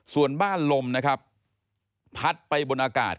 ส่วนบ้านลมนะครับพัดไปบนอากาศ